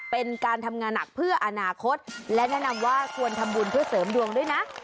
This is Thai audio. เป็นการทำงานหนักเพื่ออนาคตและแนะนำว่าควรทำบุญเพื่อเสริมดวงด้วยนะ